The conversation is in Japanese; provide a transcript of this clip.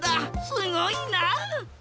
すごいな！